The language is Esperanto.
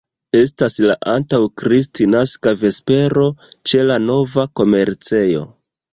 Estas la antaŭ-Kristnaska vespero ĉe la nova komercejo.